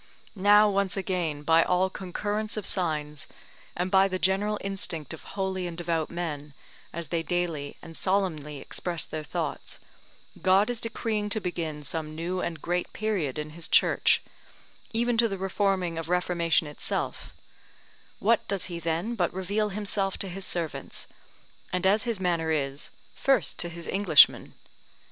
Now once again by all concurrence of signs, and by the general instinct of holy and devout men, as they daily and solemnly express their thoughts, God is decreeing to begin some new and great period in his Church, even to the reforming of Reformation itself: what does he then but reveal himself to his servants, and as his manner is, first to his Englishmen?